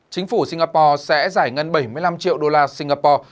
chính phủ singapore sẽ giải ngân bảy mươi năm triệu đô la singapore